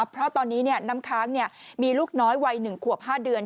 เพราะตอนนี้น้ำค้างมีลูกน้อยวัย๑ขวบ๕เดือน